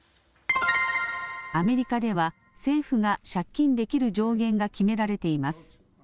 アメリカでは政府が借金できる上限が決められています。